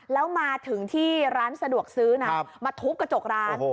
แล้วมาถึงที่ร้านสะดวกซื้อนะมาทุบกระจกร้าน